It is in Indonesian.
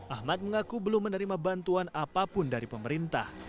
ahmad mengaku belum menerima bantuan apapun dari pemerintah